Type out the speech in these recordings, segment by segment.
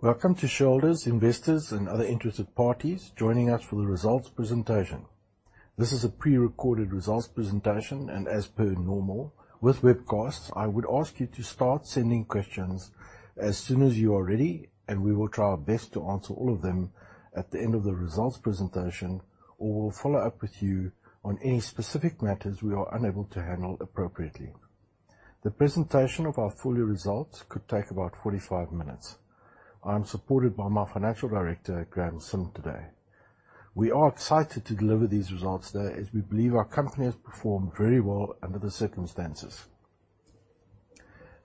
Welcome to shareholders, investors, and other interested parties joining us for the results presentation. This is a pre-recorded results presentation and as per normal with webcasts, I would ask you to start sending questions as soon as you are ready, and we will try our best to answer all of them at the end of the results presentation, or we'll follow up with you on any specific matters we are unable to handle appropriately. The presentation of our full year results could take about 45 minutes. I am supported by my Financial Director, Graeme Sim, today. We are excited to deliver these results today as we believe our company has performed very well under the circumstances.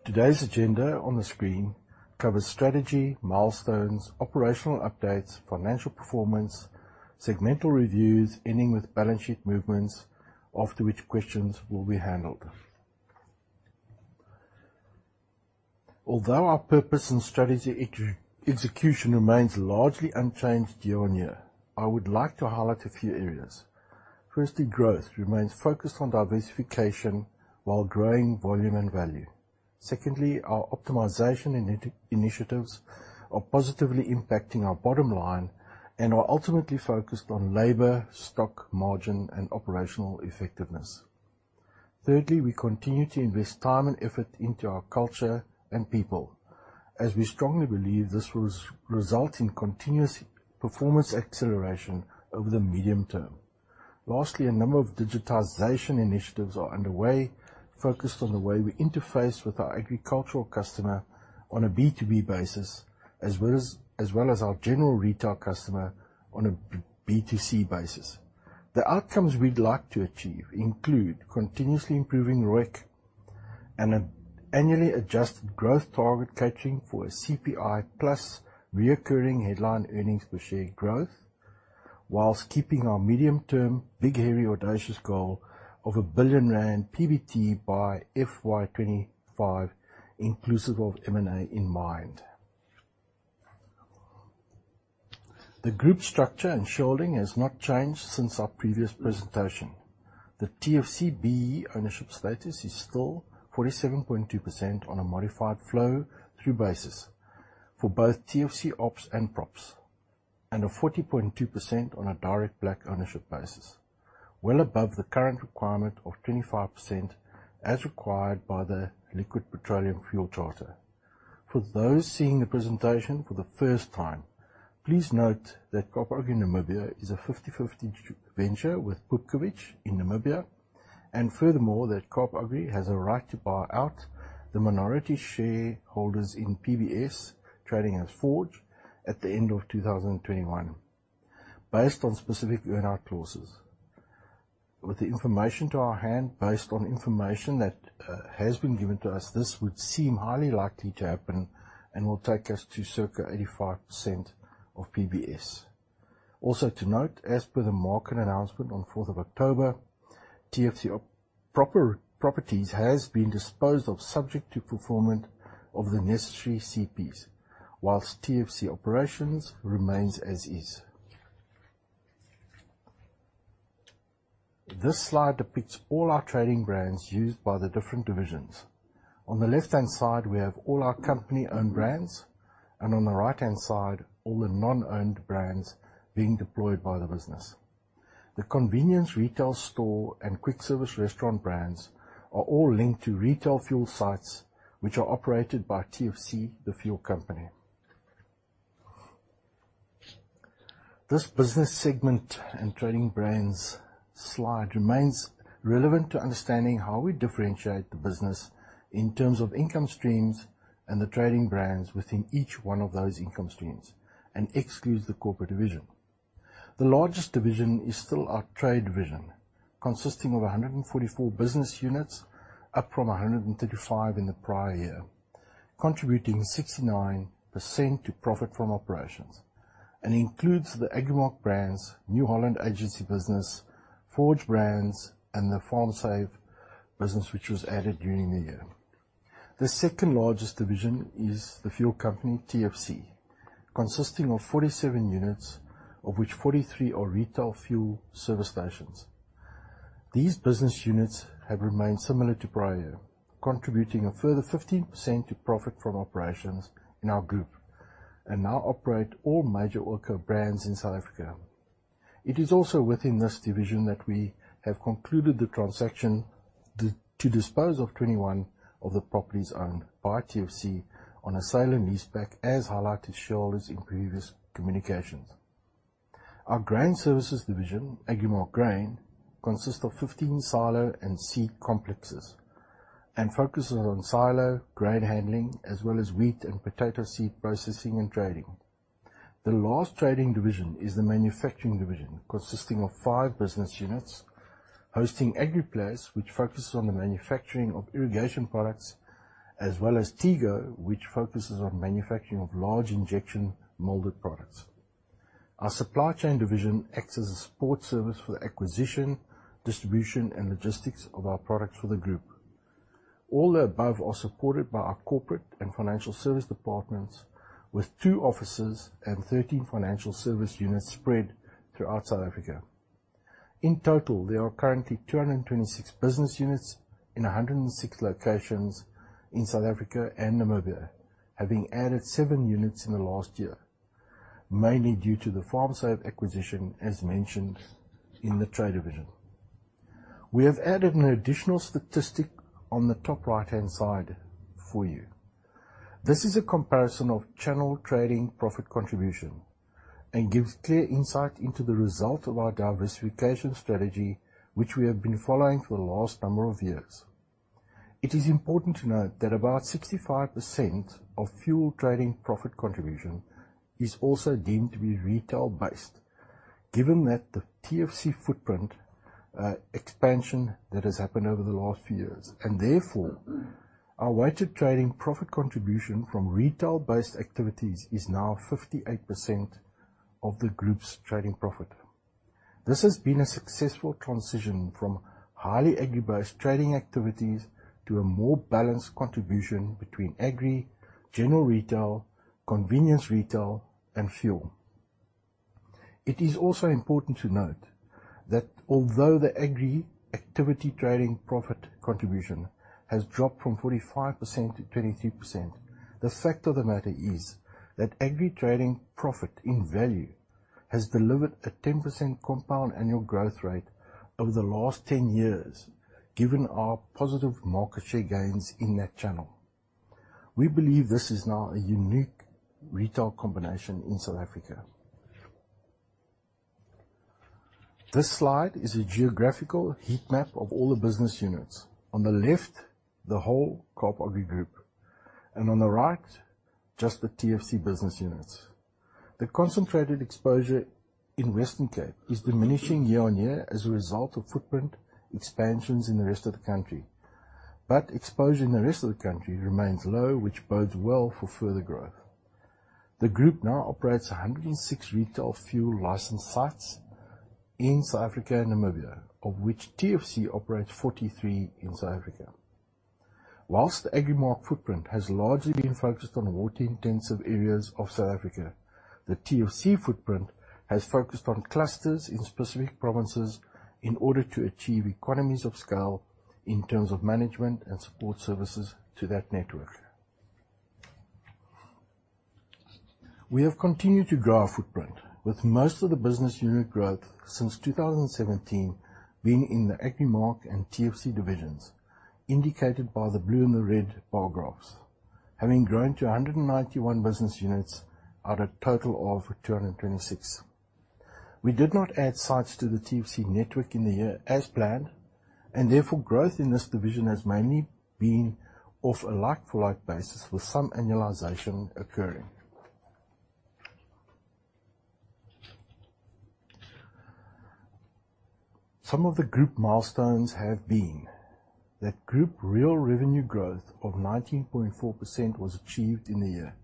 Today's agenda on the screen covers strategy, milestones, operational updates, financial performance, segmental reviews, ending with balance sheet movements, after which questions will be handled. Although our purpose and strategy execution remains largely unchanged year-on-year, I would like to highlight a few areas. Firstly, growth remains focused on diversification while growing volume and value. Secondly, our optimization initiatives are positively impacting our bottom line and are ultimately focused on labor, stock, margin, and operational effectiveness. Thirdly, we continue to invest time and effort into our culture and people, as we strongly believe this will result in continuous performance acceleration over the medium term. Lastly, a number of digitization initiatives are underway, focused on the way we interface with our agricultural customer on a B2B basis, as well as our general retail customer on a B2C basis. The outcomes we'd like to achieve include continuously improving ROIC and an annually adjusted growth target, targeting for a CPI plus recurring headline earnings per share growth, while keeping our medium-term big, hairy, audacious goal of 1 billion rand PBT by FY 2025, inclusive of M&A in mind. The group structure and shareholding has not changed since our previous presentation. The TFC BEE ownership status is still 47.2% on a modified flow-through basis for both TFC ops and props, and a 40.2% on a direct black ownership basis, well above the current requirement of 25% as required by the Liquid Fuels Charter. For those seeing the presentation for the first time, please note that Kaap Agri Namibia is a 50/50 joint venture with Pupkewitz in Namibia, and furthermore, that Kaap Agri has a right to buy out the minority shareholders in PBS, trading as Forge, at the end of 2021, based on specific earn-out clauses. With the information to our hand, based on information that has been given to us, this would seem highly likely to happen and will take us to circa 85% of PBS. Also to note, as per the market announcement on 4th October, TFC Properties has been disposed of subject to performance of the necessary CPs, while TFC Operations remains as is. This slide depicts all our trading brands used by the different divisions. On the left-hand side, we have all our company-owned brands, and on the right-hand side, all the non-owned brands being deployed by the business. The convenience retail store and quick service restaurant brands are all linked to retail fuel sites, which are operated by TFC, the fuel company. This business segment and trading brands slide remains relevant to understanding how we differentiate the business in terms of income streams and the trading brands within each one of those income streams, and excludes the corporate division. The largest division is still our trade division, consisting of 144 business units, up from 135 units in the prior year, contributing 69% to profit from operations and includes the Agrimark brands, New Holland Agency business, Forge brands, and the FarmSave business, which was added during the year. The second-largest division is the fuel company, TFC, consisting of 47 units, of which 43 are retail fuel service stations. These business units have remained similar to prior year, contributing a further 15% to profit from operations in our group and now operate all major oil co-brands in South Africa. It is also within this division that we have concluded the transaction to dispose of 21 of the properties owned by TFC on a sale and leaseback, as highlighted to shareholders in previous communications. Our grain services division, Agrimark Grain, consists of 15 silo and seed complexes and focuses on silo grain handling as well as wheat and potato seed processing and trading. The last trading division is the manufacturing division, consisting of five business units, hosting Agriplas, which focuses on the manufacturing of irrigation products, as well as TEGO, which focuses on manufacturing of large injection molded products. Our supply chain division acts as a support service for the acquisition, distribution, and logistics of our products for the group. All the above are supported by our corporate and financial service departments with two offices and 13 financial service units spread throughout South Africa. In total, there are currently 226 business units in 106 locations in South Africa and Namibia, having added 7 units in the last year, mainly due to the FarmSave acquisition, as mentioned in the trade division. We have added an additional statistic on the top right-hand side for you. This is a comparison of channel trading profit contribution and gives clear insight into the result of our diversification strategy, which we have been following for the last number of years. It is important to note that about 65% of fuel trading profit contribution is also deemed to be retail-based, given that the TFC footprint expansion that has happened over the last few years. Therefore, our weighted trading profit contribution from retail-based activities is now 58% of the group's trading profit. This has been a successful transition from highly agri-based trading activities to a more balanced contribution between agri, general retail, convenience retail, and fuel. It is also important to note that although the agri activity trading profit contribution has dropped from 45% to 22%, the fact of the matter is that agri trading profit in value has delivered a 10% compound annual growth rate over the last 10 years, given our positive market share gains in that channel. We believe this is now a unique retail combination in South Africa. This slide is a geographical heat map of all the business units. On the left, the whole Kaap Agri group, and on the right, just the TFC business units. The concentrated exposure in Western Cape is diminishing year-on-year as a result of footprint expansions in the rest of the country. Exposure in the rest of the country remains low, which bodes well for further growth. The group now operates 106 retail fuel license sites in South Africa and Namibia, of which TFC operates 43 in South Africa. While the Agrimark footprint has largely been focused on water-intensive areas of South Africa, the TFC footprint has focused on clusters in specific provinces in order to achieve economies of scale in terms of management and support services to that network. We have continued to grow our footprint with most of the business unit growth since 2017 being in the Agrimark and TFC divisions, indicated by the blue and the red bar graphs, having grown to 191 business units out of total of 226. We did not add sites to the TFC network in the year as planned, and therefore growth in this division has mainly been of a like for like basis with some annualization occurring. Some of the Group milestones have been that Group real revenue growth of 19.4% was achieved in the year,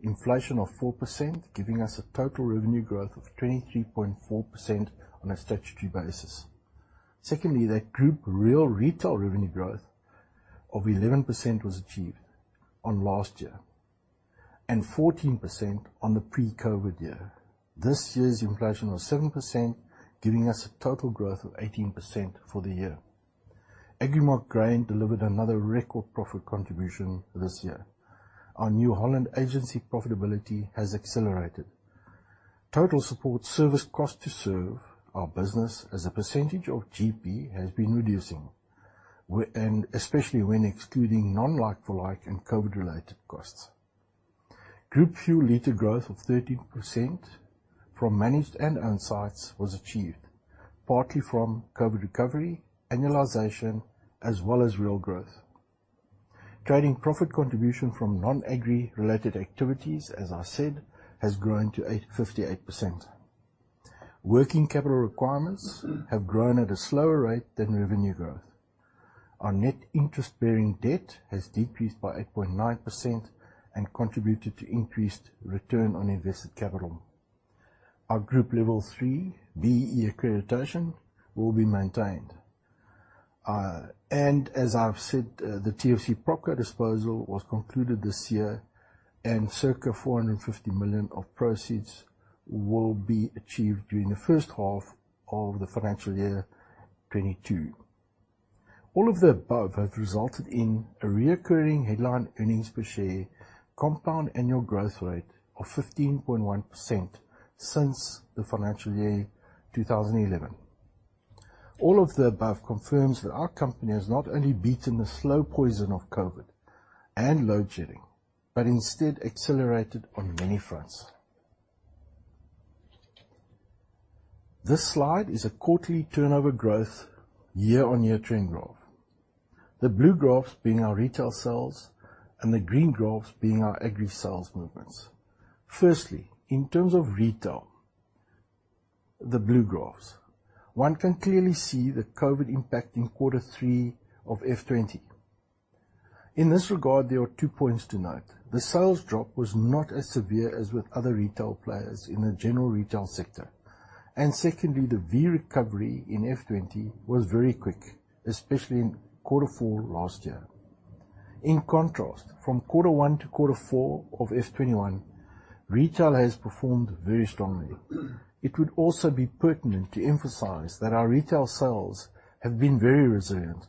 inflation of 4%, giving us a total revenue growth of 23.4% on a statutory basis. Secondly, that Group real retail revenue growth of 11% was achieved on last year, and 14% on the pre-COVID year. This year's inflation was 7%, giving us a total growth of 18% for the year. Agrimark Grain delivered another record profit contribution this year. Our New Holland agency profitability has accelerated. Total support service cost to serve our business as a percentage of GP has been reducing and especially when excluding non-like for like and COVID-related costs. Group fuel liter growth of 13% from managed and owned sites was achieved, partly from COVID recovery, annualization, as well as real growth. Trading profit contribution from non-agri-related activities, as I said, has grown to 58%. Working capital requirements have grown at a slower rate than revenue growth. Our net interest-bearing debt has decreased by 8.9% and contributed to increased return on invested capital. Our group level three BEE accreditation will be maintained. As I've said, the TFC PropCo disposal was concluded this year and circa 450 million of proceeds will be achieved during the first half of the financial year 2022. All of the above have resulted in a recurring headline earnings per share compound annual growth rate of 15.1% since the financial year 2011. All of the above confirms that our company has not only beaten the slow poison of COVID and load shedding, but instead accelerated on many fronts. This slide is a quarterly turnover growth year-on-year trend graph. The blue graphs being our retail sales and the green graphs being our agri sales movements. Firstly, in terms of retail, the blue graphs, one can clearly see the COVID impact in quarter three of F20. In this regard, there are two points to note. The sales drop was not as severe as with other retail players in the general retail sector. Secondly, the V-shaped recovery in FY 2020 was very quick, especially in quarter four last year. In contrast, from quarter one to quarter four of FY 2021, retail has performed very strongly. It would also be pertinent to emphasize that our retail sales have been very resilient.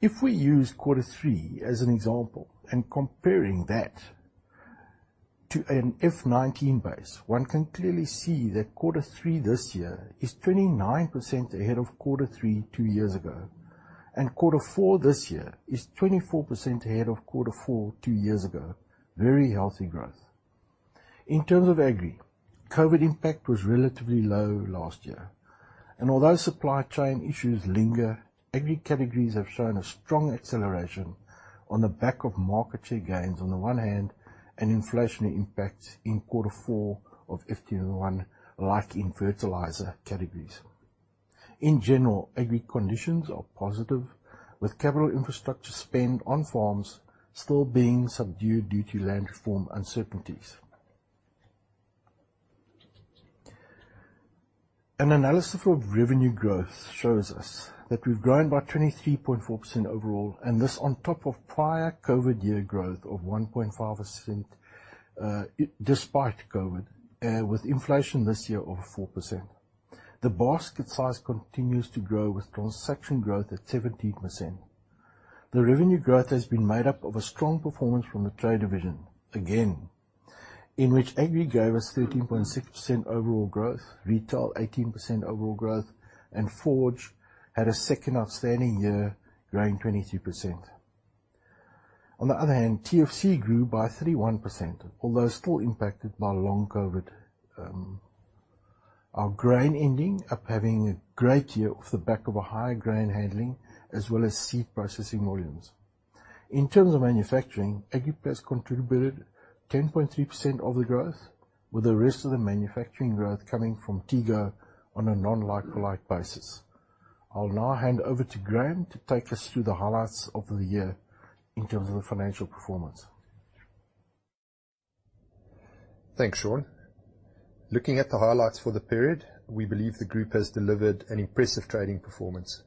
If we use quarter three as an example, and comparing that to an FY 2019 base, one can clearly see that quarter three this year is 29% ahead of quarter three two years ago, and quarter four this year is 24% ahead of quarter four two years ago. Very healthy growth. In terms of agri, COVID impact was relatively low last year, and although supply chain issues linger, agri categories have shown a strong acceleration on the back of market share gains on the one hand, and inflationary impacts in quarter four of FY 2021, like in fertilizer categories. In general, agri conditions are positive, with capital infrastructure spend on farms still being subdued due to land reform uncertainties. An analysis of revenue growth shows us that we've grown by 23.4% overall, and this on top of prior COVID year growth of 1.5%, despite COVID, with inflation this year of 4%. The basket size continues to grow with transaction growth at 17%. The revenue growth has been made up of a strong performance from the trade division, again, in which agri gave us 13.6% overall growth, retail 18% overall growth, and Forge had a second outstanding year, growing 22%. On the other hand, TFC grew by 31%, although still impacted by long COVID. Our grain ending up having a great year off the back of a high grain handling as well as seed processing volumes. In terms of manufacturing, Agriplas contributed 10.3% of the growth, with the rest of the manufacturing growth coming from TEGO on a non-like-for-like basis. I'll now hand over to Graeme to take us through the highlights of the year in terms of the financial performance. Thanks, Sean. Looking at the highlights for the period, we believe the group has delivered an impressive trading performance.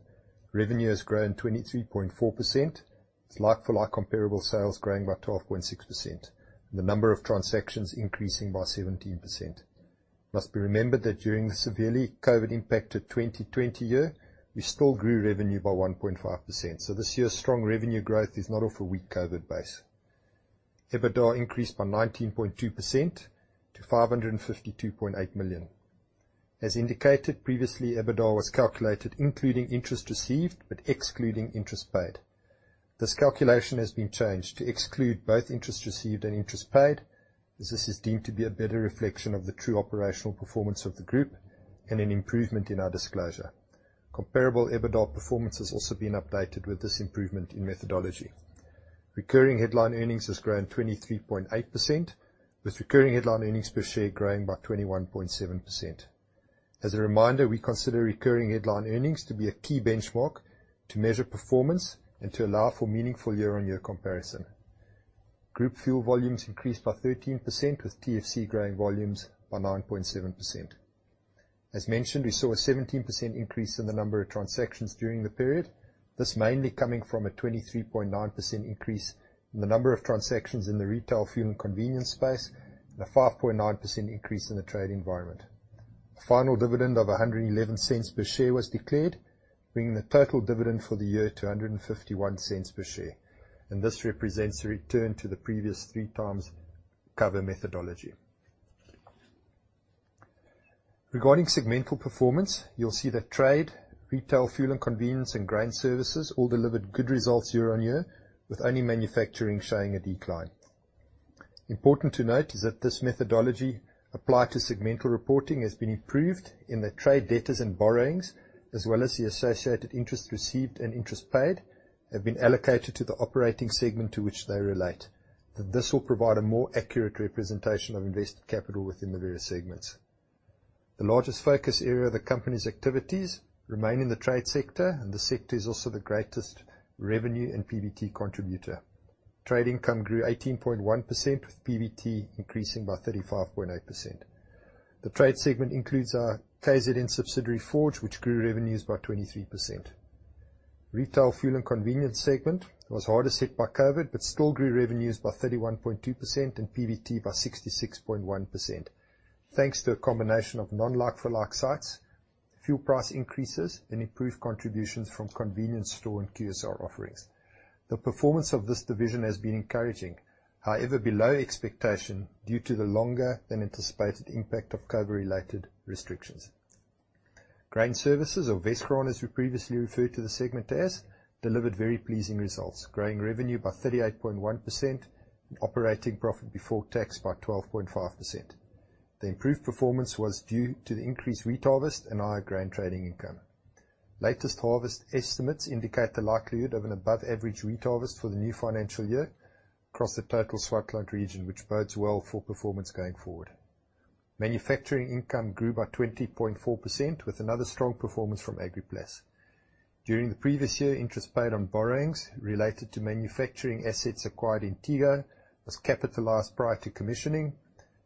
Revenue has grown 23.4%, with like-for-like comparable sales growing by 12.6%, and the number of transactions increasing by 17%. It must be remembered that during the severely COVID-impacted 2020 year, we still grew revenue by 1.5%. This year's strong revenue growth is not off a weak COVID base. EBITDA increased by 19.2% to 552.8 million. As indicated previously, EBITDA was calculated including interest received, but excluding interest paid. This calculation has been changed to exclude both interest received and interest paid, as this is deemed to be a better reflection of the true operational performance of the group and an improvement in our disclosure. Comparable EBITDA performance has also been updated with this improvement in methodology. Recurring headline earnings has grown 23.8%, with recurring headline earnings per share growing by 21.7%. As a reminder, we consider recurring headline earnings to be a key benchmark to measure performance and to allow for meaningful year-on-year comparison. Group fuel volumes increased by 13%, with TFC growing volumes by 9.7%. As mentioned, we saw a 17% increase in the number of transactions during the period. This mainly coming from a 23.9% increase in the number of transactions in the retail fuel and convenience space, and a 5.9% increase in the trade environment. The final dividend of 1.11 per share was declared, bringing the total dividend for the year to 1.51 per share. This represents a return to the previous three times cover methodology. Regarding segmental performance, you'll see that trade, retail, fuel and convenience, and grain services all delivered good results year-on-year, with only manufacturing showing a decline. Important to note is that this methodology applied to segmental reporting has been improved in that trade debtors and borrowings, as well as the associated interest received and interest paid, have been allocated to the operating segment to which they relate, that this will provide a more accurate representation of invested capital within the various segments. The largest focus area of the company's activities remain in the trade sector, and this sector is also the greatest revenue and PBT contributor. Trade income grew 18.1%, with PBT increasing by 35.8%. The trade segment includes our KZN subsidiary, Forge, which grew revenues by 23%. Retail, fuel, and convenience segment was hard hit by COVID, but still grew revenues by 31.2% and PBT by 66.1%. Thanks to a combination of non-like-for-like sites, fuel price increases, and improved contributions from convenience store and QSR offerings. The performance of this division has been encouraging, however below expectation, due to the longer than anticipated impact of COVID-related restrictions. Grain services, or Wesgraan, as we previously referred to the segment as, delivered very pleasing results, growing revenue by 38.1% and operating profit before tax by 12.5%. The improved performance was due to the increased wheat harvest and higher grain trading income. Latest harvest estimates indicate the likelihood of an above average wheat harvest for the new financial year across the total Swartland region, which bodes well for performance going forward. Manufacturing income grew by 20.4% with another strong performance from Agriplas. During the previous year, interest paid on borrowings related to manufacturing assets acquired in TEGO was capitalized prior to commissioning.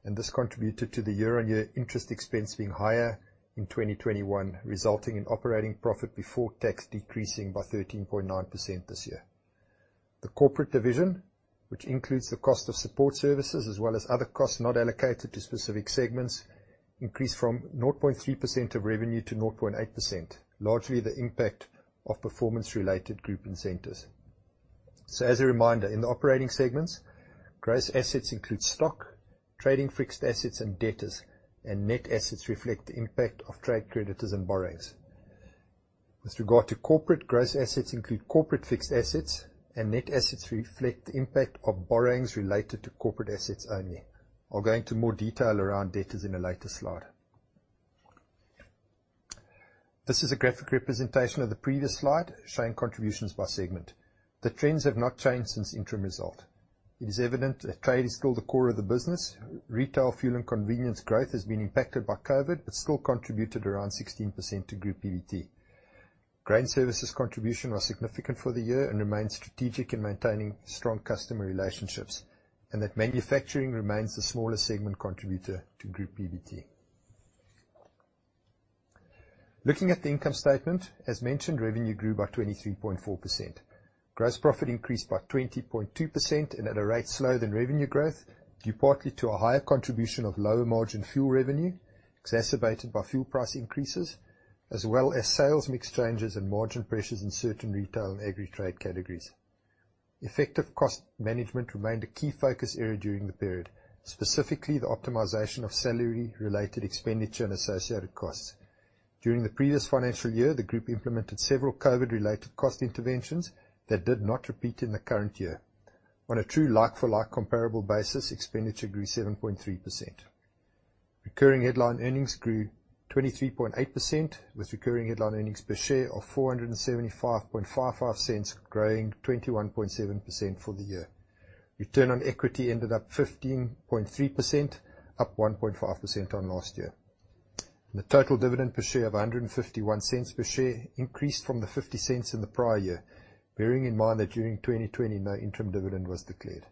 This contributed to the year-on-year interest expense being higher in 2021, resulting in operating profit before tax decreasing by 13.9% this year. The corporate division, which includes the cost of support services as well as other costs not allocated to specific segments, increased from 0.3% of revenue to 0.8%, largely the impact of performance-related group incentives. As a reminder, in the operating segments, gross assets include stock, trading fixed assets, and debtors, and net assets reflect the impact of trade creditors and borrowings. With regard to corporate, gross assets include corporate fixed assets and net assets reflect the impact of borrowings related to corporate assets only. I'll go into more detail around debtors in a later slide. This is a graphic representation of the previous slide showing contributions by segment. The trends have not changed since interim result. It is evident that trade is still the core of the business. Retail, fuel and convenience growth has been impacted by COVID, but still contributed around 16% to group PBT. Grain services contribution was significant for the year and remains strategic in maintaining strong customer relationships, and that manufacturing remains the smallest segment contributor to group PBT. Looking at the income statement, as mentioned, revenue grew by 23.4%. Gross profit increased by 20.2% and at a rate slower than revenue growth, due partly to a higher contribution of lower-margin fuel revenue, exacerbated by fuel price increases, as well as sales mix changes and margin pressures in certain retail and agri trade categories. Effective cost management remained a key focus area during the period, specifically the optimization of salary-related expenditure and associated costs. During the previous financial year, the group implemented several COVID-related cost interventions that did not repeat in the current year. On a true like-for-like comparable basis, expenditure grew 7.3%. Recurring headline earnings grew 23.8%, with recurring headline earnings per share of 4.7555 growing 21.7% for the year. Return on equity ended up 15.3%, up 1.5% on last year. The total dividend per share of 1.51 increased from the 0.50 in the prior year, bearing in mind that during 2020, no interim dividend was declared.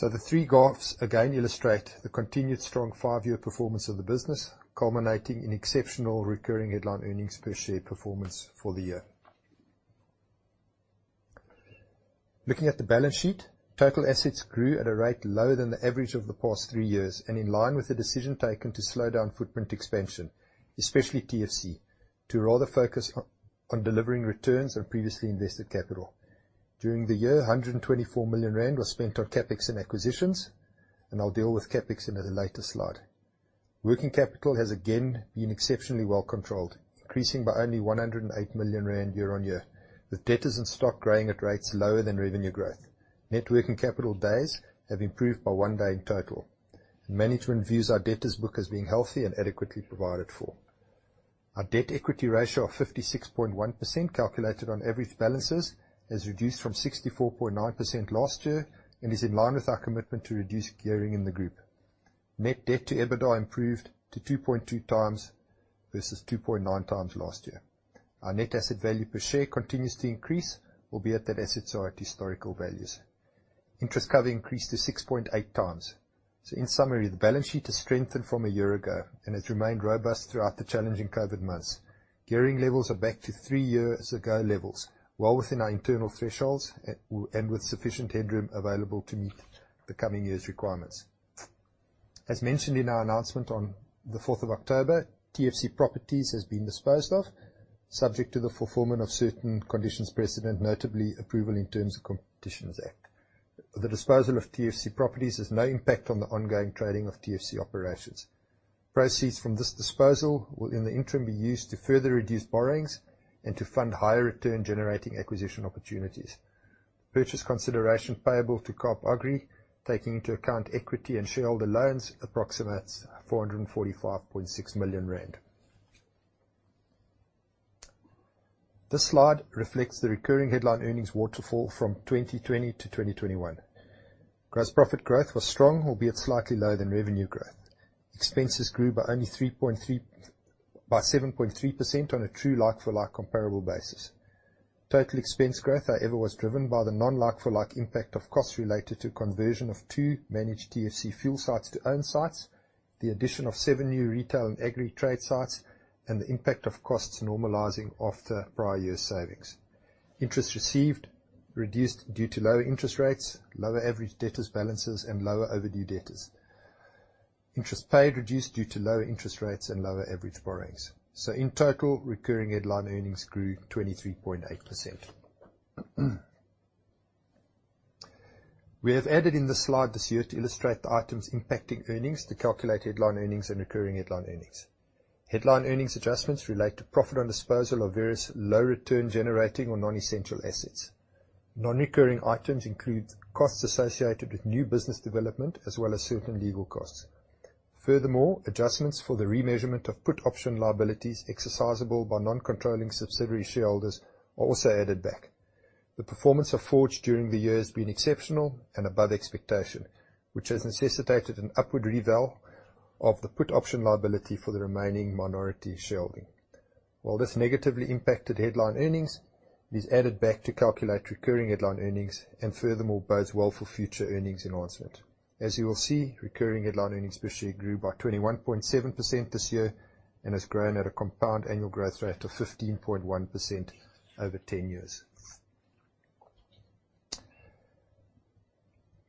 The three graphs again illustrate the continued strong five-year performance of the business, culminating in exceptional recurring headline earnings per share performance for the year. Looking at the balance sheet, total assets grew at a rate lower than the average of the past three years and in line with the decision taken to slow down footprint expansion, especially TFC, to rather focus on delivering returns on previously invested capital. During the year, 124 million rand was spent on CapEx and acquisitions, and I'll deal with CapEx in a later slide. Working capital has again been exceptionally well controlled, increasing by only 108 million rand year-on-year, with debtors and stock growing at rates lower than revenue growth. Net working capital days have improved by one day in total, and management views our debtors book as being healthy and adequately provided for. Our debt-equity ratio of 56.1% calculated on average balances has reduced from 64.9% last year and is in line with our commitment to reduce gearing in the group. Net debt to EBITDA improved to 2.2x versus 2.9x last year. Our net asset value per share continues to increase, albeit that assets are at historical values. Interest cover increased to 6.8x. In summary, the balance sheet has strengthened from a year ago and has remained robust throughout the challenging COVID months. Gearing levels are back to three years ago levels, well within our internal thresholds and with sufficient headroom available to meet the coming year's requirements. As mentioned in our announcement on 4th October, TFC Properties has been disposed of, subject to the fulfillment of certain conditions precedent, notably approval in terms of Competition Act. The disposal of TFC Properties has no impact on the ongoing trading of TFC Operations. Proceeds from this disposal will in the interim be used to further reduce borrowings and to fund higher return generating acquisition opportunities. Purchase consideration payable to Kaap Agri, taking into account equity and shareholder loans approximates 445.6 million rand. This slide reflects the recurring headline earnings waterfall from 2020 to 2021. Gross profit growth was strong, albeit slightly lower than revenue growth. Expenses grew by only 7.3% on a true like-for-like comparable basis. Total expense growth, however, was driven by the non-like-for-like impact of costs related to conversion of two managed TFC fuel sites to own sites, the addition of seven new retail and agri trade sites, and the impact of costs normalizing after prior year savings. Interest received reduced due to lower interest rates, lower average debtors balances, and lower overdue debtors. Interest paid reduced due to lower interest rates and lower average borrowings. In total, recurring headline earnings grew 23.8%. We have added in this slide this year to illustrate the items impacting earnings, to calculate headline earnings and recurring headline earnings. Headline earnings adjustments relate to profit on disposal of various low return generating or non-essential assets. Non-recurring items include costs associated with new business development as well as certain legal costs. Furthermore, adjustments for the remeasurement of put option liabilities exercisable by non-controlling subsidiary shareholders are also added back. The performance of Forge during the year has been exceptional and above expectation, which has necessitated an upward reval of the put option liability for the remaining minority shareholding. While this negatively impacted headline earnings, it is added back to calculate recurring headline earnings and furthermore bodes well for future earnings enhancement. As you will see, recurring headline earnings basically grew by 21.7% this year and has grown at a compound annual growth rate of 15.1% over 10 years.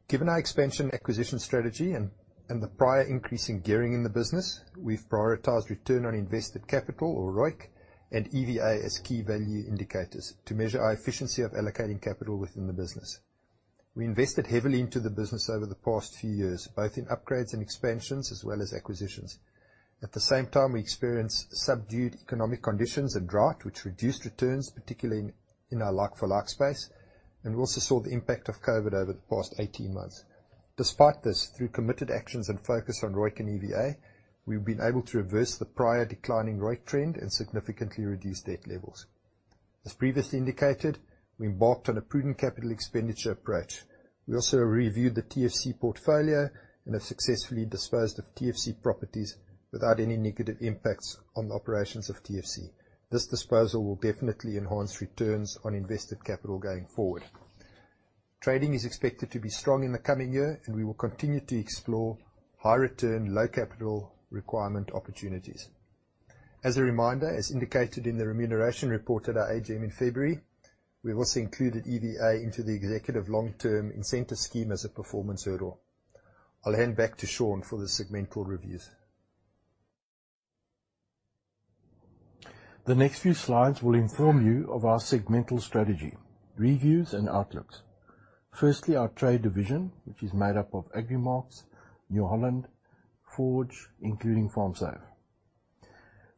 Given our expansion acquisition strategy and the prior increase in gearing in the business, we've prioritized return on invested capital or ROIC and EVA as key value indicators to measure our efficiency of allocating capital within the business. We invested heavily into the business over the past few years, both in upgrades and expansions as well as acquisitions. At the same time, we experienced subdued economic conditions and drought, which reduced returns, particularly in our like for like space, and we also saw the impact of COVID over the past 18 months. Despite this, through committed actions and focus on ROIC and EVA, we've been able to reverse the prior declining ROIC trend and significantly reduce debt levels. As previously indicated, we embarked on a prudent capital expenditure approach. We also reviewed the TFC portfolio and have successfully disposed of TFC Properties without any negative impacts on the operations of TFC. This disposal will definitely enhance returns on invested capital going forward. Trading is expected to be strong in the coming year, and we will continue to explore high return, low capital requirement opportunities. As a reminder, as indicated in the remuneration report at our AGM in February, we've also included EVA into the executive long-term incentive scheme as a performance hurdle. I'll hand back to Sean for the segmental reviews. The next few slides will inform you of our segmental strategy, reviews and outlooks. Firstly, our trade division, which is made up of Agrimark, New Holland, Forge, including FarmSave.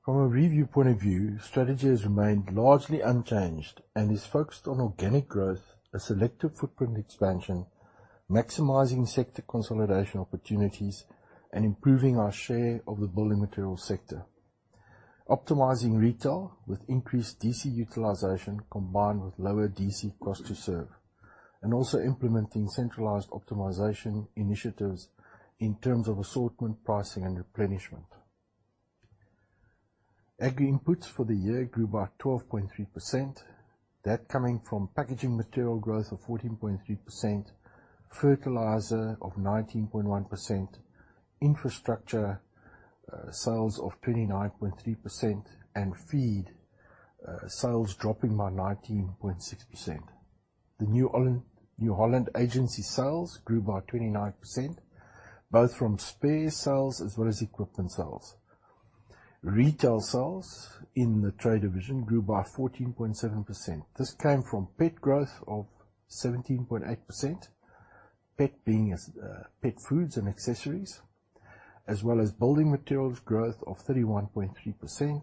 From a review point of view, strategy has remained largely unchanged and is focused on organic growth, a selective footprint expansion, maximizing sector consolidation opportunities, and improving our share of the building material sector. Optimizing retail with increased DC utilization combined with lower DC cost to serve, and also implementing centralized optimization initiatives in terms of assortment, pricing, and replenishment. Agri inputs for the year grew by 12.3%. That coming from packaging material growth of 14.3%, fertilizer of 19.1%, infrastructure sales of 29.3%, and feed sales dropping by 19.6%. New Holland agency sales grew by 29%, both from spare sales as well as equipment sales. Retail sales in the trade division grew by 14.7%. This came from pet growth of 17.8%, pet being pet foods and accessories, as well as building materials growth of 31.3%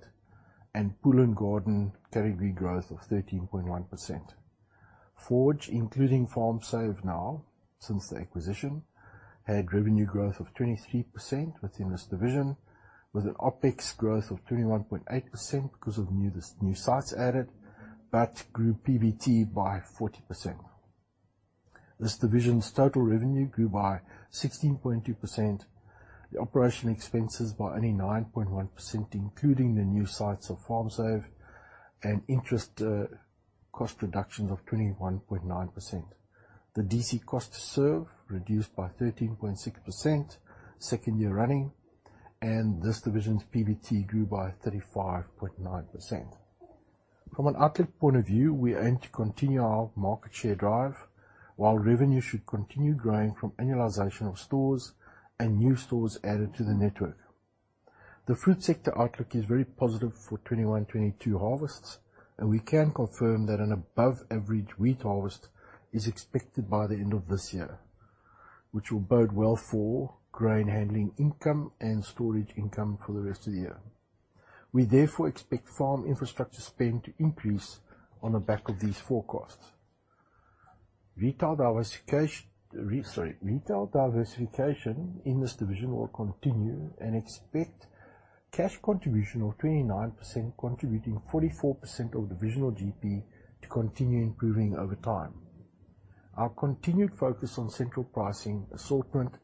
and pool and garden category growth of 13.1%. Forge, including FarmSave now since the acquisition, had revenue growth of 23% within this division with an OpEx growth of 21.8% because of new sites added, but grew PBT by 40%. This division's total revenue grew by 16.2%, the operational expenses by only 9.1%, including the new sites of FarmSave, and interest cost reductions of 21.9%. The DC cost to serve reduced by 13.6% second year running, and this division's PBT grew by 35.9%. From an outlook point of view, we aim to continue our market share drive while revenue should continue growing from annualization of stores and new stores added to the network. The food sector outlook is very positive for 2021/2022 harvests, and we can confirm that an above average wheat harvest is expected by the end of this year, which will bode well for grain handling income and storage income for the rest of the year. We therefore expect farm infrastructure spend to increase on the back of these forecasts. Retail diversification in this division will continue and expect cash contribution of 29%, contributing 44% of divisional GP to continue improving over time. Our continued focus on central pricing, assortment,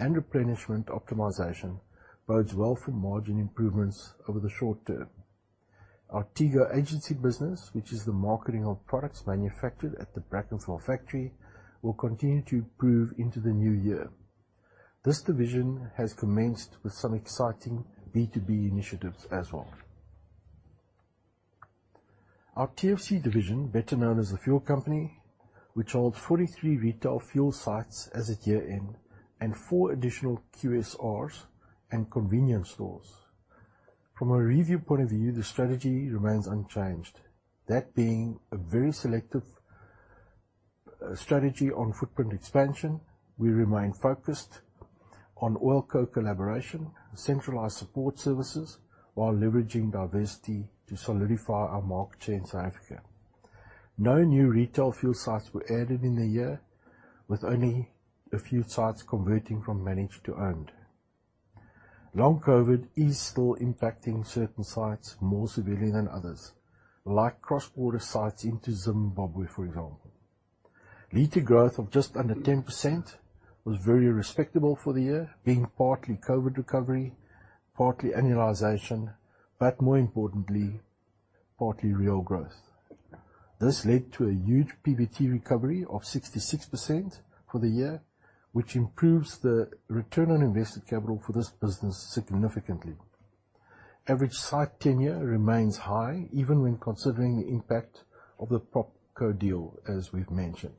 and replenishment optimization bodes well for margin improvements over the short term. Our TEGO Agency business, which is the marketing of products manufactured at the Brackenfell factory, will continue to improve into the new year. This division has commenced with some exciting B2B initiatives as well. Our TFC division, better known as The Fuel Company, which holds 43 retail fuel sites as of year-end and four additional QSRs and convenience stores. From a review point of view, the strategy remains unchanged. That being a very selective strategy on footprint expansion, we remain focused on OpCo collaboration, centralized support services, while leveraging diversity to solidify our market share in South Africa. No new retail fuel sites were added in the year, with only a few sites converting from managed to owned. Long COVID is still impacting certain sites more severely than others, like cross-border sites into Zimbabwe, for example. Liter growth of just under 10% was very respectable for the year, being partly COVID recovery, partly annualization, but more importantly, partly real growth. This led to a huge PBT recovery of 66% for the year, which improves the return on invested capital for this business significantly. Average site tenure remains high, even when considering the impact of the PropCo deal, as we've mentioned.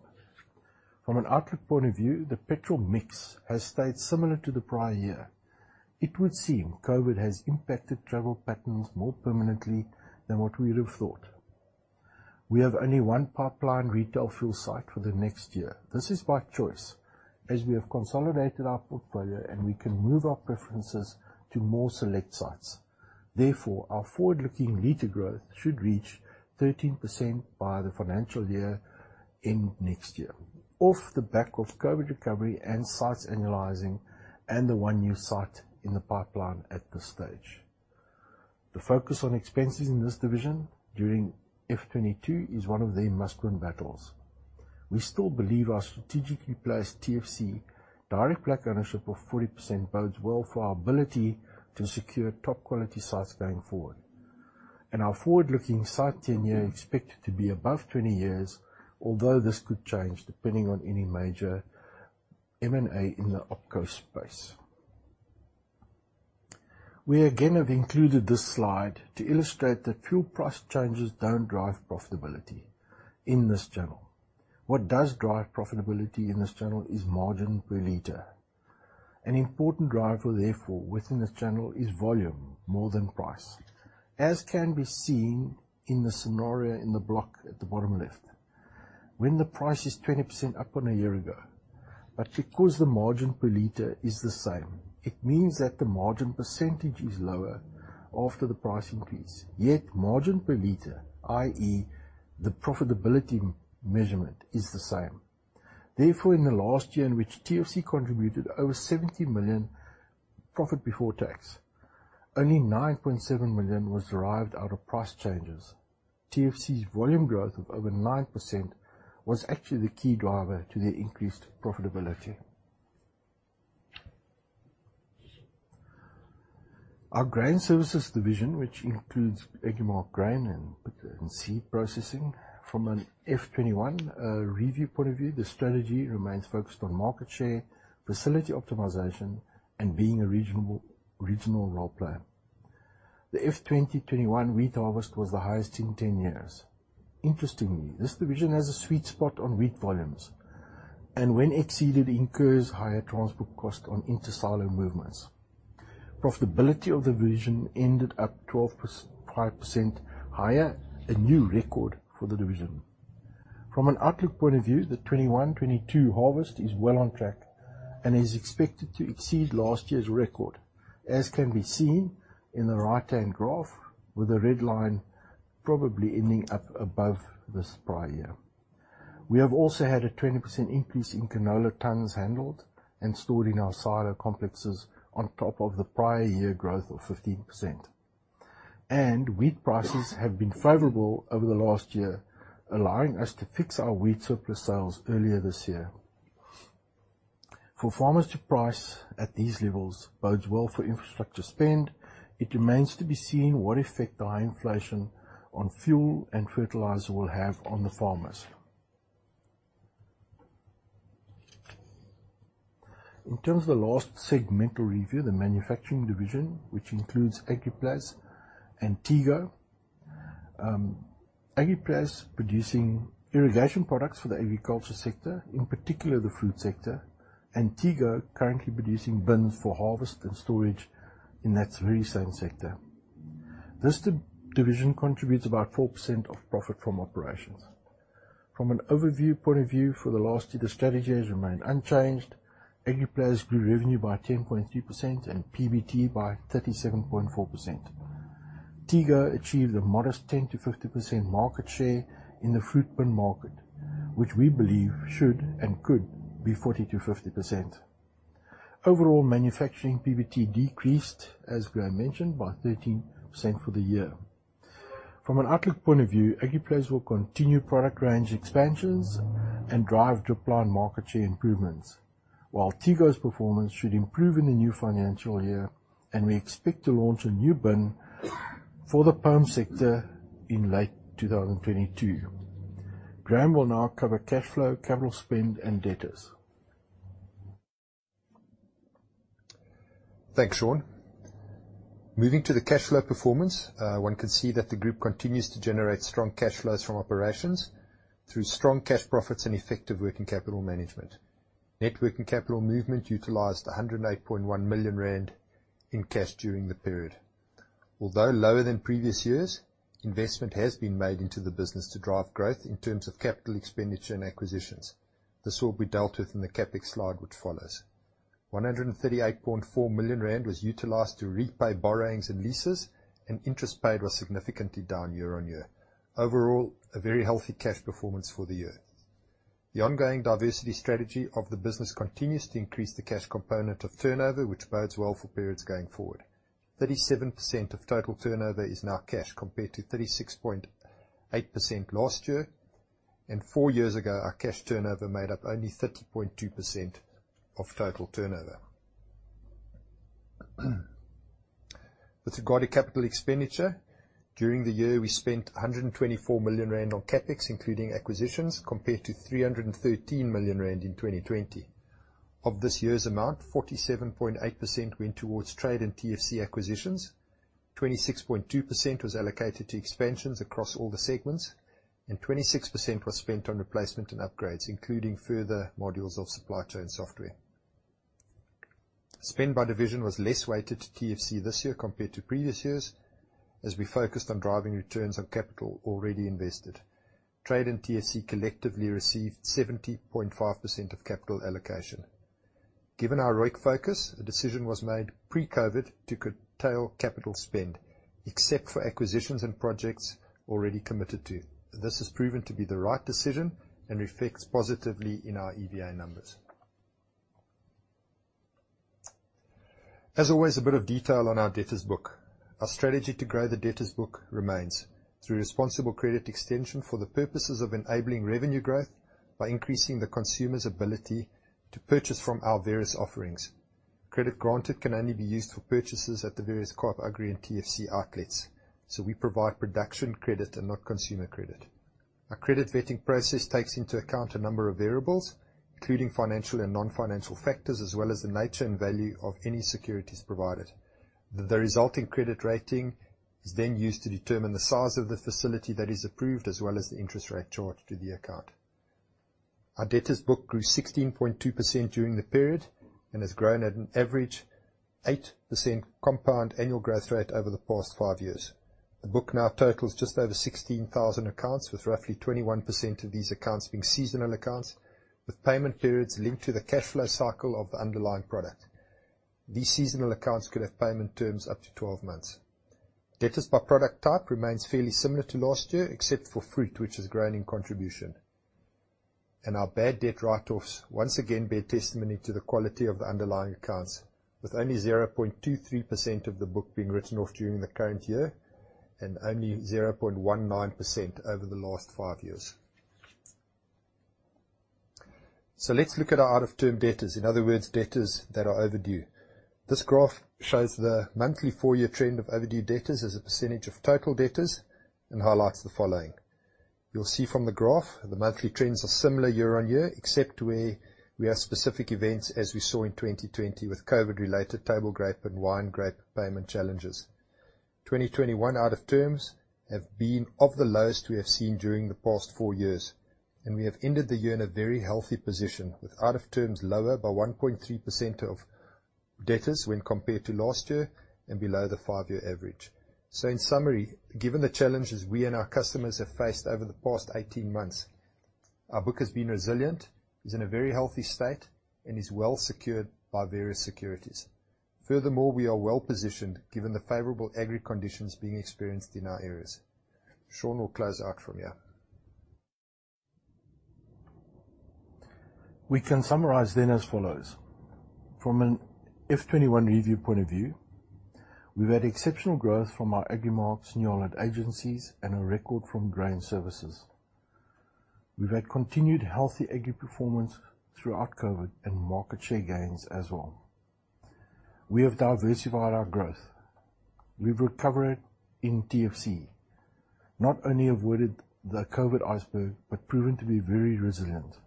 From an outlook point of view, the petrol mix has stayed similar to the prior year. It would seem COVID has impacted travel patterns more permanently than what we would have thought. We have only one pipeline retail fuel site for the next year. This is by choice, as we have consolidated our portfolio, and we can move our preferences to more select sites. Therefore, our forward-looking liter growth should reach 13% by the financial year end next year, off the back of COVID recovery and sites annualizing and the one new site in the pipeline at this stage. The focus on expenses in this division during FY 2022 is one of their must-win battles. We still believe our strategically placed TFC direct black ownership of 40% bodes well for our ability to secure top-quality sites going forward. Our forward-looking site tenure expected to be above 20 years, although this could change depending on any major M&A in the OpCo space. We again have included this slide to illustrate that fuel price changes don't drive profitability in this channel. What does drive profitability in this channel is margin per liter. An important driver, therefore, within this channel is volume more than price. As can be seen in the scenario in the block at the bottom left, when the price is 20% up on a year ago, but because the margin per liter is the same, it means that the margin percentage is lower after the price increase. Yet margin per liter, i.e., the profitability measurement, is the same. Therefore, in the last year in which TFC contributed over 70 million profit before tax, only 9.7 million was derived out of price changes. TFC's volume growth of over 9% was actually the key driver to their increased profitability. Our grain services division, which includes Agrimark Grain and seed processing, from a FY 2021 review point of view, the strategy remains focused on market share, facility optimization, and being a regional role player. The FY 2021 wheat harvest was the highest in 10 years. Interestingly, this division has a sweet spot on wheat volumes, and when exceeded, incurs higher transport cost on inter-silo movements. Profitability of the division ended up 12.5% higher, a new record for the division. From an outlook point of view, the 2021-2022 harvest is well on track and is expected to exceed last year's record, as can be seen in the right-hand graph with the red line probably ending up above this prior year. We have also had a 20% increase in canola tons handled and stored in our silo complexes on top of the prior year growth of 15%. Wheat prices have been favorable over the last year, allowing us to fix our wheat surplus sales earlier this year. For farmers to price at these levels bodes well for infrastructure spend. It remains to be seen what effect the high inflation on fuel and fertilizer will have on the farmers. In terms of the last segmental review, the manufacturing division, which includes Agriplas and TEGO, Agriplas producing irrigation products for the agriculture sector, in particular the food sector, and TEGO currently producing bins for harvest and storage in that very same sector. This division contributes about 4% of profit from operations. From an overview point of view, for the last year, the strategy has remained unchanged. Agriplas grew revenue by 10.2% and PBT by 37.4%. TEGO achieved a modest 10%-50% market share in the fruit bin market, which we believe should and could be 40%-50%. Overall, manufacturing PBT decreased, as Graham mentioned, by 13% for the year. From an outlook point of view, Agriplas will continue product range expansions and drive dripline market share improvements, while TEGO's performance should improve in the new financial year, and we expect to launch a new bin for the pome sector in late 2022. Graeme will now cover cash flow, capital spend, and debtors. Thanks, Sean. Moving to the cash flow performance, one can see that the group continues to generate strong cash flows from operations through strong cash profits and effective working capital management. Net working capital movement utilized 108.1 million rand in cash during the period. Although lower than previous years, investment has been made into the business to drive growth in terms of capital expenditure and acquisitions. This will be dealt with in the CapEx slide, which follows. 138.4 million rand was utilized to repay borrowings and leases, and interest paid was significantly down year-on-year. Overall, a very healthy cash performance for the year. The ongoing diversity strategy of the business continues to increase the cash component of turnover, which bodes well for periods going forward. 37% of total turnover is now cash compared to 36.8% last year. Four years ago, our cash turnover made up only 30.2% of total turnover. With regard to capital expenditure, during the year, we spent 124 million rand on CapEx, including acquisitions, compared to 313 million rand in 2020. Of this year's amount, 47.8% went towards trade and TFC acquisitions. 26.2% was allocated to expansions across all the segments, and 26% was spent on replacement and upgrades, including further modules of supply chain software. Spend by division was less weighted to TFC this year compared to previous years, as we focused on driving returns on capital already invested. Trade and TFC collectively received 70.5% of capital allocation. Given our ROIC focus, a decision was made pre-COVID to curtail capital spend, except for acquisitions and projects already committed to. This has proven to be the right decision and reflects positively in our EVA numbers. As always, a bit of detail on our debtors book. Our strategy to grow the debtors book remains through responsible credit extension for the purposes of enabling revenue growth by increasing the consumer's ability to purchase from our various offerings. Credit granted can only be used for purchases at the various Kaap Agri and TFC outlets, so we provide production credit and not consumer credit. Our credit vetting process takes into account a number of variables, including financial and non-financial factors, as well as the nature and value of any securities provided. The resulting credit rating is then used to determine the size of the facility that is approved, as well as the interest rate charged to the account. Our debtors book grew 16.2% during the period and has grown at an average 8% compound annual growth rate over the past five years. The book now totals just over 16,000 accounts, with roughly 21% of these accounts being seasonal accounts, with payment periods linked to the cash flow cycle of the underlying product. These seasonal accounts could have payment terms up to 12 months. Debtors by product type remains fairly similar to last year, except for fruit, which has grown in contribution. Our bad debt write-offs once again bear testimony to the quality of the underlying accounts. With only 0.23% of the book being written off during the current year and only 0.19% over the last five years. Let's look at our out of term debtors, in other words, debtors that are overdue. This graph shows the monthly four-year trend of overdue debtors as a percentage of total debtors and highlights the following. You'll see from the graph the monthly trends are similar year-on-year, except where we have specific events, as we saw in 2020 with COVID-related table grape and wine grape payment challenges. 2021 out of terms have been of the lowest we have seen during the past four years, and we have ended the year in a very healthy position, with out of terms lower by 1.3% of debtors when compared to last year and below the five-year average. In summary, given the challenges we and our customers have faced over the past 18 months, our book has been resilient, is in a very healthy state, and is well secured by various securities. Furthermore, we are well-positioned given the favorable agri conditions being experienced in our areas. Sean will close out from here. We can summarize then as follows. From an FY 2021 review point of view, we've had exceptional growth from our Agrimark New Holland agencies and a record from grain services. We've had continued healthy agri performance throughout COVID and market share gains as well. We have diversified our growth. We've recovered in TFC, not only avoided the COVID iceberg, but proven to be very resilient.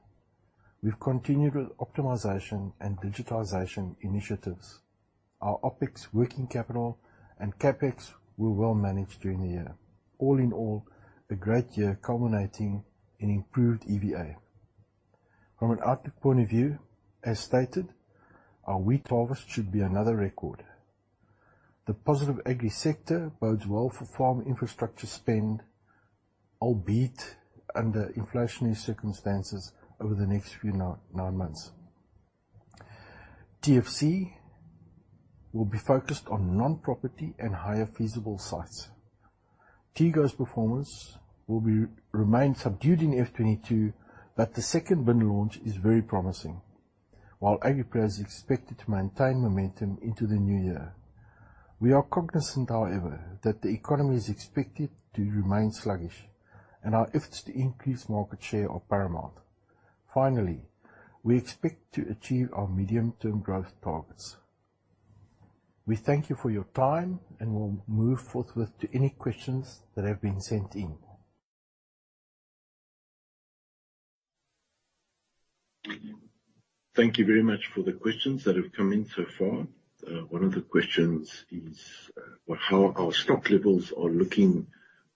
We've continued with optimization and digitalization initiatives. Our OpEx working capital and CapEx were well managed during the year. All in all, a great year culminating in improved EVA. From an outlook point of view, as stated, our wheat harvest should be another record. The positive agri sector bodes well for farm infrastructure spend, albeit under inflationary circumstances over the next few nine months. TFC will be focused on non-property and higher feasible sites. TEGO's performance will remain subdued in FY 2022, but the second bin launch is very promising. While Agriplas is expected to maintain momentum into the new year. We are cognizant, however, that the economy is expected to remain sluggish and our efforts to increase market share are paramount. Finally, we expect to achieve our medium-term growth targets. We thank you for your time, and we'll move forthwith to any questions that have been sent in. Thank you very much for the questions that have come in so far. One of the questions is, how our stock levels are looking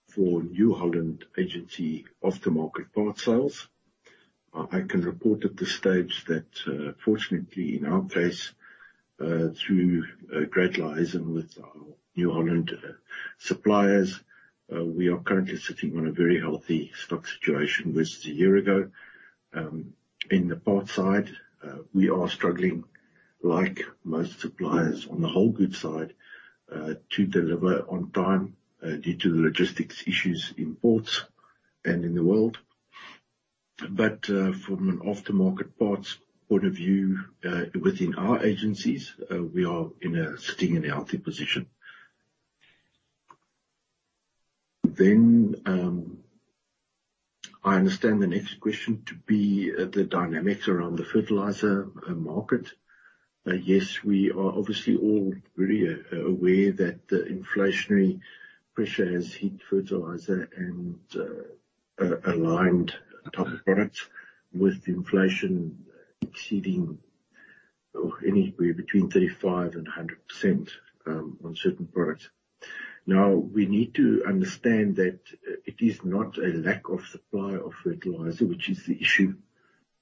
for New Holland agency after-market part sales. I can report at this stage that, fortunately, in our case, through a great liaison with our New Holland suppliers, we are currently sitting on a very healthy stock situation versus a year ago. In the parts side, we are struggling, like most suppliers on the wholegoods side, to deliver on time, due to logistics issues in ports and in the world. From an after-market parts point of view, within our agencies, we are sitting in a healthy position. I understand the next question to be the dynamics around the fertilizer market. Yes, we are obviously all very aware that the inflationary pressure has hit fertilizer and aligned type of products, with inflation exceeding anywhere between 35% and 100% on certain products. Now, we need to understand that it is not a lack of supply of fertilizer which is the issue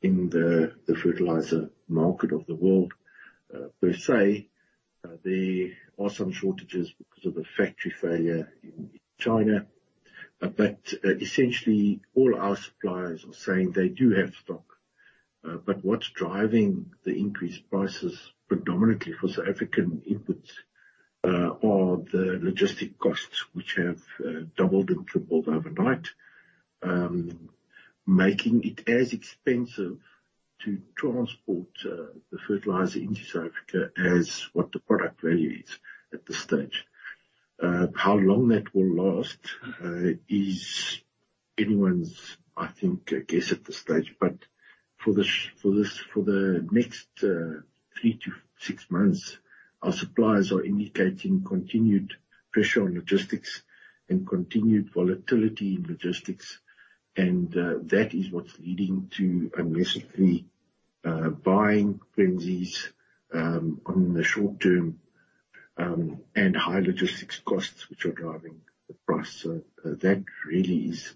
in the fertilizer market of the world, per se. There are some shortages because of a factory failure in China, but essentially all our suppliers are saying they do have stock. What's driving the increased prices predominantly for South African imports are the logistics costs, which have doubled and tripled overnight, making it as expensive to transport the fertilizer into South Africa as what the product value is at this stage. How long that will last is anyone's, I think, guess at this stage. For this—for the next three to six months, our suppliers are indicating continued pressure on logistics and continued volatility in logistics. That is what's leading to unnecessarily buying frenzies on the short term and high logistics costs which are driving the price. That really is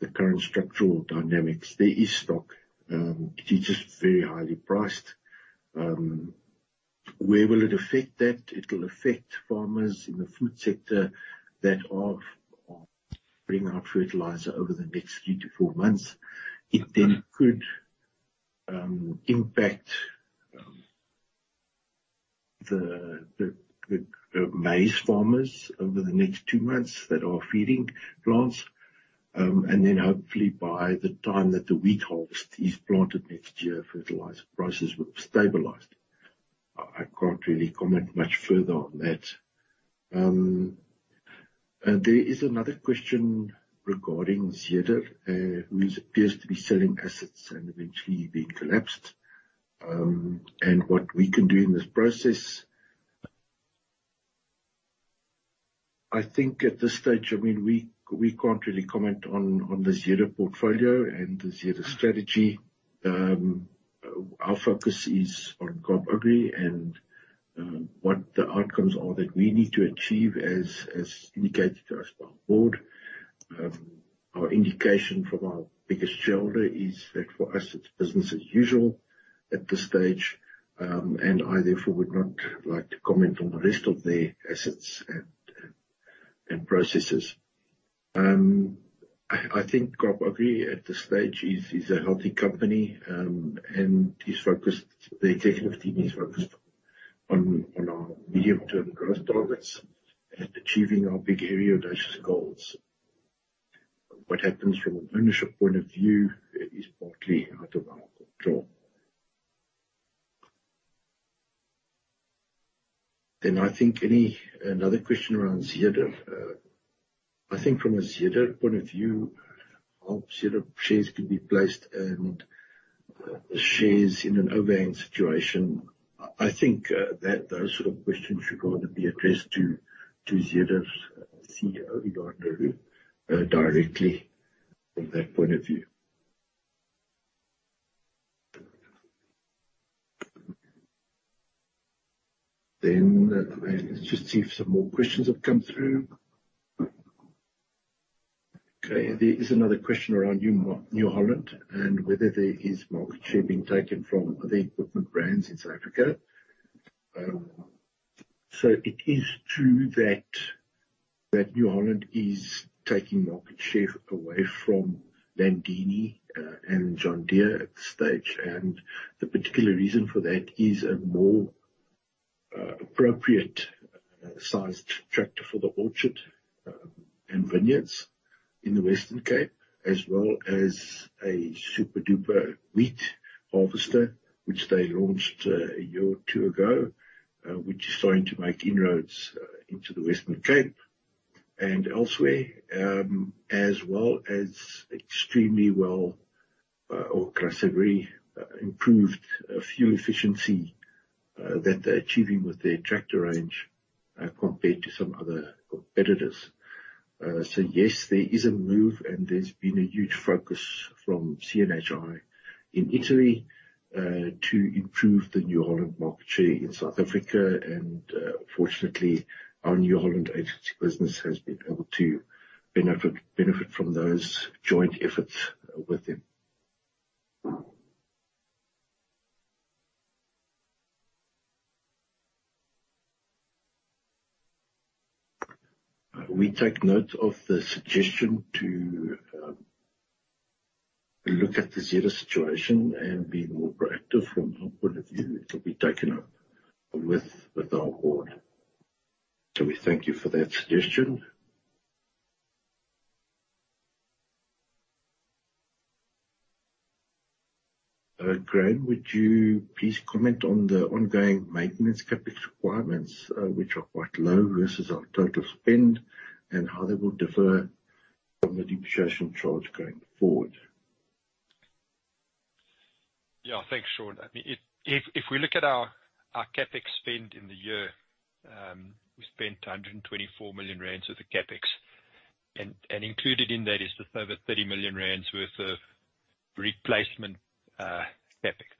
the current structural dynamics. There is stock, it is just very highly priced. Where will it affect that? It will affect farmers in the food sector that are bringing out fertilizer over the next three to four months. It then could impact the maize farmers over the next two months that are feeding plants. Hopefully by the time that the wheat harvest is planted next year, fertilizer prices will have stabilized. I can't really comment much further on that. There is another question regarding Zeder, who appears to be selling assets and eventually being collapsed, and what we can do in this process. I think at this stage, I mean, we can't really comment on the Zeder portfolio and the Zeder strategy. Our focus is on Kaap Agri and what the outcomes are that we need to achieve as indicated to us by our board. Our indication from our biggest shareholder is that for us, it's business as usual at this stage, and I therefore would not like to comment on the rest of their assets and processes. I think Kaap Agri at this stage is a healthy company, and the executive team is focused on our medium-term growth targets and achieving our big hairy audacious goals. What happens from an ownership point of view is partly out of our control. I think another question around Zeder. I think from a Zeder point of view, how Zeder shares could be placed and shares in an overhang situation, I think, those sort of questions should rather be addressed to Zeder's CEO, Johann le Roux, directly from that point of view. Let's just see if some more questions have come through. Okay. There is another question around New Holland and whether there is market share being taken from the equipment brands in South Africa. It is true that New Holland is taking market share away from Landini and John Deere at this stage. The particular reason for that is a more appropriate-sized tractor for the orchard and vineyards in the Western Cape, as well as a super-duper wheat harvester, which they launched a year or two ago, which is starting to make inroads into the Western Cape and elsewhere. Extremely well, or can I say very improved fuel efficiency that they're achieving with their tractor range compared to some other competitors. Yes, there is a move, and there's been a huge focus from CNHI in Italy to improve the New Holland market share in South Africa. Fortunately, our New Holland agency business has been able to benefit from those joint efforts with them. We take note of the suggestion to look at the Zeder situation and be more proactive from our point of view. It'll be taken up with our board. We thank you for that suggestion. Graham, would you please comment on the ongoing maintenance CapEx requirements, which are quite low versus our total spend, and how they will differ from the depreciation charge going forward? Yeah. Thanks, Sean. I mean, if we look at our CapEx spend in the year, we spent 124 million rand with the CapEx. Included in that is just over 30 million rand worth of replacement CapEx.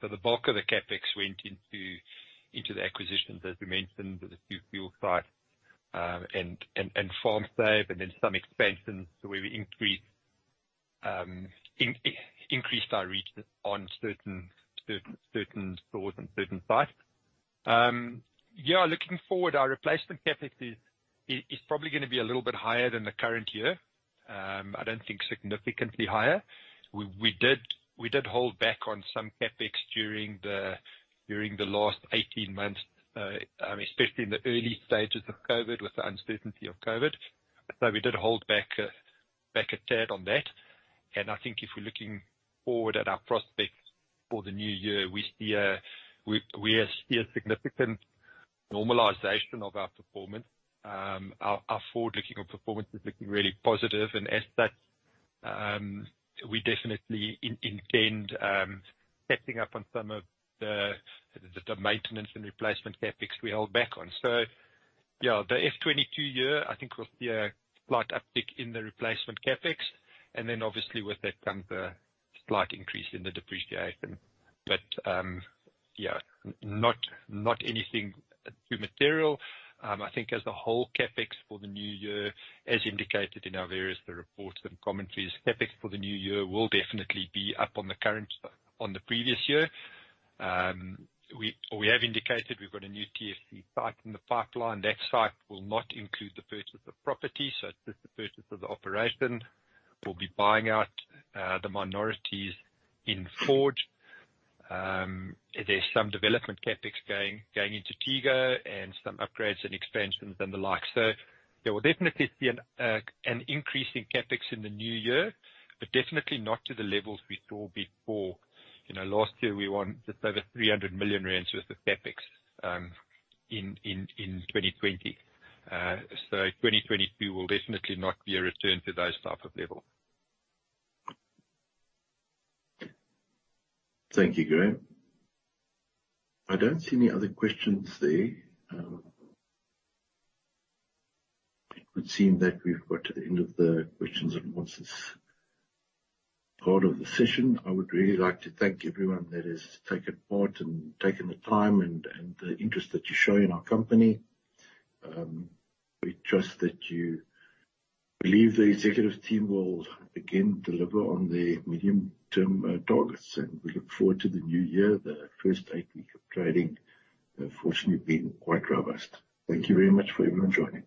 The bulk of the CapEx went into the acquisitions, as we mentioned, with a few fuel sites and FarmSave and then some expansions where we increased our reach on certain stores and certain sites. Yeah, looking forward, our replacement CapEx is probably gonna be a little bit higher than the current year. I don't think significantly higher. We did hold back on some CapEx during the last 18 months, especially in the early stages of COVID, with the uncertainty of COVID. We did hold back back a tad on that. I think if we're looking forward at our prospects for the new year, we see a significant normalization of our performance. Our forward-looking performance is looking really positive. As such, we definitely intend catching up on some of the maintenance and replacement CapEx we held back on. Yeah, the FY 2022 year I think will see a slight uptick in the replacement CapEx. Then obviously with that comes a slight increase in the depreciation. Yeah, not anything too material. I think as a whole, CapEx for the new year, as indicated in our various reports and commentaries, CapEx for the new year will definitely be up on the current, on the previous year. We have indicated we've got a new TFC site in the pipeline. That site will not include the purchase of property, so it's just the purchase of the operation. We'll be buying out the minorities in Forge. There's some development CapEx going into TEGO and some upgrades and expansions and the like. There will definitely be an increase in CapEx in the new year, but definitely not to the levels we saw before. You know, last year we had just over 300 million rand worth of CapEx in 2020. 2021 will definitely not be a return to those type of levels. Thank you, Graeme. I don't see any other questions there. It would seem that we've got to the end of the questions and answers part of the session. I would really like to thank everyone that has taken part and taken the time and the interest that you show in our company. We trust that you believe the executive team will again deliver on their medium-term targets, and we look forward to the new year. The first eight weeks of trading have fortunately been quite robust. Thank you very much for everyone joining.